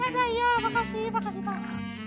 terima kasih pak